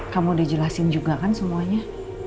kamu udah jelasin juga kan semuanya